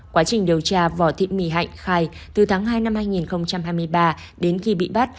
quá trình điều tra võ thị my hạnh khai từ tháng hai năm hai nghìn hai mươi ba đến khi bị bắt